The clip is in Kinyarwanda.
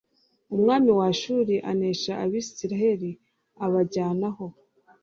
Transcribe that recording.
Umwami wa Ashuri anesha Abisirayeli abajyana ho